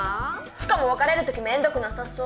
しかも別れるときめんどくなさそう。